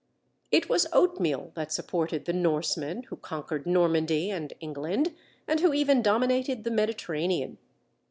It was oatmeal that supported the Norsemen who conquered Normandy and England, and who even dominated the Mediterranean.